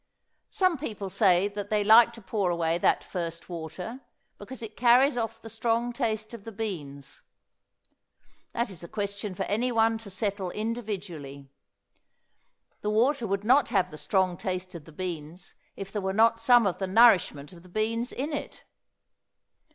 Some people say that they like to pour away that first water, because it carries off the strong taste of the beans. That is a question for any one to settle individually. The water would not have the strong taste of the beans if there were not some of the nourishment of the beans in it.